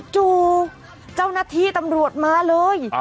จู่เจ้าหน้าที่ตำรวจมาเลย